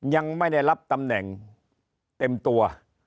ยังไม่ได้รับตำแหน่งเต็มตัว